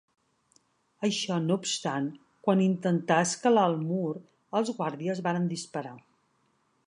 Això no obstant, quan intentà escalar el mur, els guàrdies varen disparar.